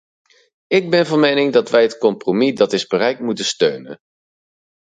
Ik ben van mening dat wij het compromis dat is bereikt, moeten steunen.